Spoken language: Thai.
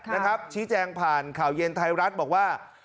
นะครับชี้แจงผ่านข่าวเย็นไทยรัฐบอกว่า